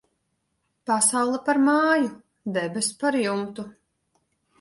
Pasaule par māju, debess par jumtu.